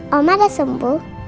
mama udah sembuh